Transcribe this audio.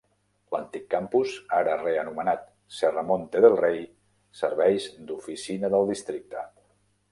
L'antic campus, ara reanomenat Serramonte del Rey, serveix d'oficina del districte.